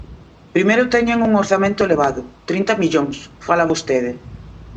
Primeiro teñen un orzamento elevado, trinta millóns, fala vostede.